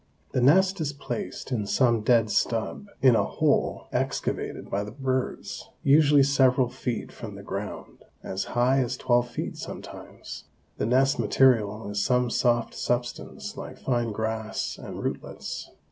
The nest is placed in some dead stub in a hole excavated by the birds, usually several feet from the ground as high as twelve feet sometimes. The nest material is some soft substance like fine grass and rootlets.